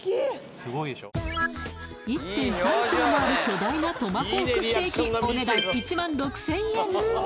１．３ｋｇもある巨大なトマホークステーキお値段１万６０００円